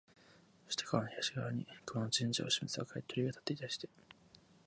そして川の東側に熊野神社を示す赤い鳥居が立っていたりして、